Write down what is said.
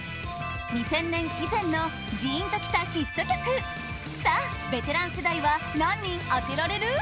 ２０００年以前のジーンときたヒット曲さあベテラン世代は何人当てられる？